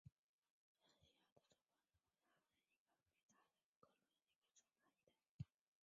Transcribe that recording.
萨利希语言分布在美国华盛顿州以及加拿大不列颠哥伦比亚环萨利希海一带。